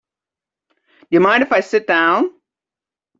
Do you mind if I sit down?